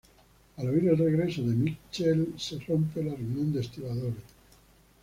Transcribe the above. Al oír el regreso de Michele se rompe la reunión de estibadores.